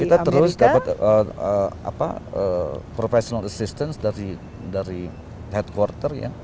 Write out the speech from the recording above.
kita terus dapat professional assistance dari headquarter ya